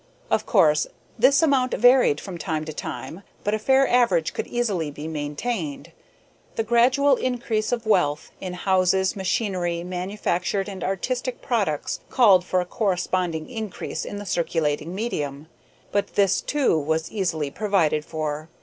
Of course, this amount varied from time to time, but a fair average could easily be maintained. The gradual increase of wealth, in houses, machinery, manufactured and artistic products called for a corresponding increase in the circulating medium; but this, too, was easily provided for.